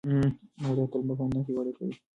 نباتات د لمر په رڼا کې وده کوي.